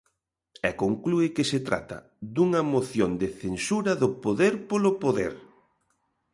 E conclúe que se trata "dunha moción de censura do poder polo poder".